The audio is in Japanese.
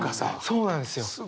そうなんですよ。